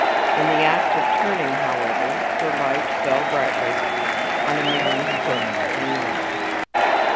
In the act of turning, however, her light fell brightly on a man's foot and leg.